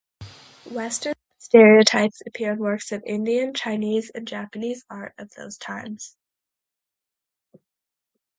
Western stereotypes appear in works of Indian, Chinese and Japanese art of those times.